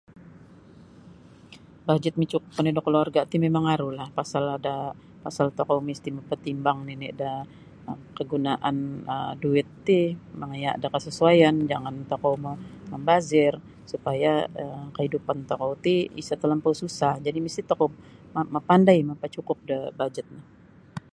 Bajet micukup oni' da kaluarga' ti mimang arulah pasal ada' pasal tokou misti' mapatimbang nini' da kagunaan um duit ti mangaya' da kasasuaian jangan tokou mo mambazir supaya um kaidupan tokou ti isa' talampau susah jadi' misti' tokou mapandai mapacukup da bajet no.